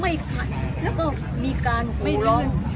ไม่ผ่านแล้วก็มีการหูร้อน